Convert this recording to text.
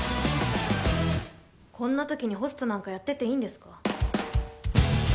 こんな時にホストなんかやってていいんですか？